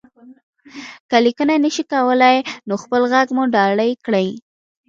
که ليکنه نشئ کولی، نو خپل غږ مو ډالۍ کړئ.